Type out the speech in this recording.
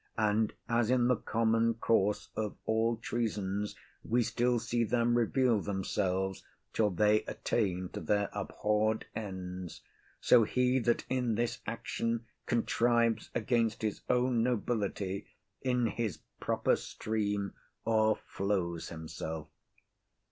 And as in the common course of all treasons, we still see them reveal themselves till they attain to their abhorr'd ends; so he that in this action contrives against his own nobility, in his proper stream, o'erflows himself.